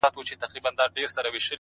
o د اوښکو ته مو لپې لوښي کړې که نه ـ